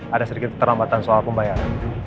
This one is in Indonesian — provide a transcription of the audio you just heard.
ada sedikit keterlambatan soal pembayaran